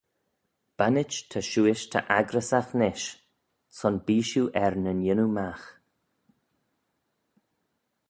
Bannit ta shiuish ta accryssagh nish: son bee shiu er nyn yannoo magh.